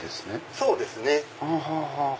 そうですね。